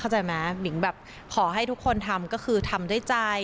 หมิงแบบขอให้ทุกคนทำก็คือทำด้วยใจ